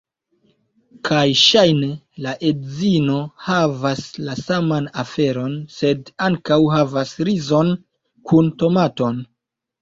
Kaj ŝajne la edzino havas la saman aferon, sed ankaŭ havas rizon kun tomaton.